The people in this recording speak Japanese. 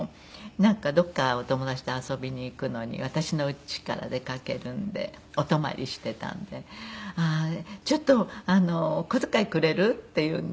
なんかどこかお友達と遊びに行くのに私の家から出かけるんでお泊まりしていたんで「ちょっとお小遣いくれる？」って言うんで。